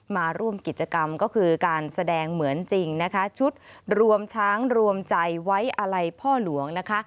มาร่วมกิจกรรมก็คือการแสดงเหมือนจริงชุดร่วมช้างร่วมใจไว้อะไรพ่อหลวง